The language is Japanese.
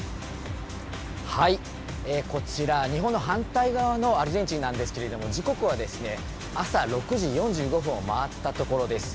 こちら、日本の反対側のアルゼンチンなんですけれども、時刻はですね、朝６時４５分を回ったところです。